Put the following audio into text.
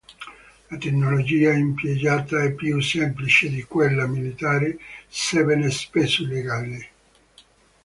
La tecnologia impiegata è più semplice di quella militare, sebbene spesso illegale.